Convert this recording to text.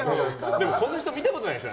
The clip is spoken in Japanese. でもこんな人見たことないですよ。